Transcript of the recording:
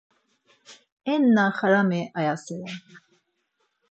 E na xarami ayasere!